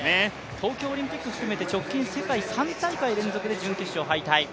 東京オリンピック含めて直近世界３大会連続で敗退。